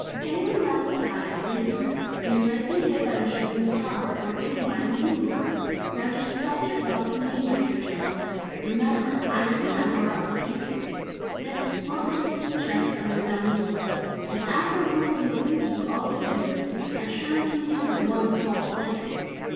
"Hanging 'round the sky is dangerous. We might be hit by a shooting star or even by a meteor. Now, just trust yourself to me, my dear Jellia. Remember I am the Emperor of the East!" Nick smote his tin chest a resounding blow. "And after ruling the Winkies all these years, I surely can handle one small plane!"